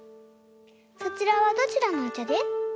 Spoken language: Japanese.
そちらはどちらのお茶で？